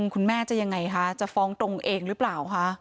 คุณแม่จะยังไงคะจะฟ้องตรงเองหรือเปล่าคะ